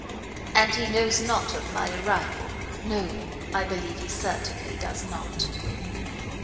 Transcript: "And he knows not of my arrival?" No, I believe he certainly does not."